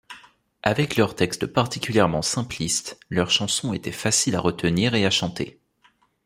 Avec leurs textes particulièrement simplistes, leurs chansons étaient faciles à retenir et à chanter.